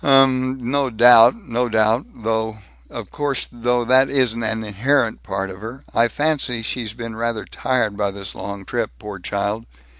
"Um, uh, no doubt, no doubt, though Of course, though, that isn't an inherent part of her. I fancy she's been rather tired by this long trip, poor child.